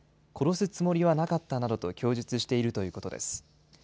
殺すつもりはなかったなどと供述しているということです。